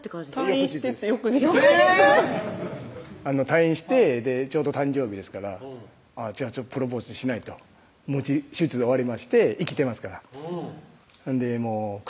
退院して翌日翌日⁉退院してちょうど誕生日ですからプロポーズしないと無事手術が終わりまして生きてますからもう体